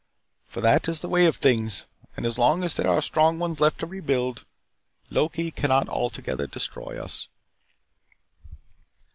For that is the way of things and as long as there are strong ones left to rebuild, Loki cannot altogether destroy us."